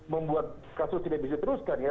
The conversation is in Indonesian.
membuat kasus tidak bisa diteruskan ya